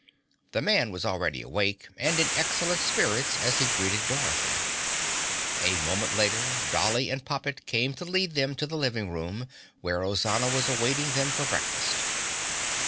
The man was already awake and in excellent spirits as he greeted Dorothy. A moment later Dolly and Poppet came to lead them to the living room where Ozana was awaiting them for breakfast.